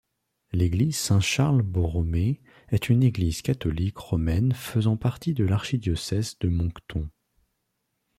L'église Saint-Charles-Borromée est une église catholique romaine faisant partie de l'archidiocèse de Moncton.